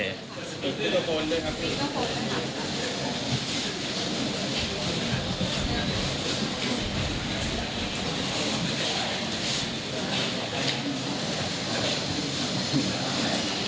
ติดตัวตนด้วยครับพี่